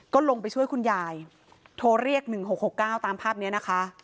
ก็ลงไปช่วยคุณยายโทรเรียก๑๖๖๙ตามภาพนี้นะคะ